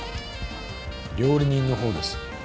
料理人の方です